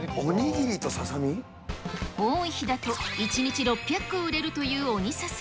多い日だと１日６００個売れるというオニササ。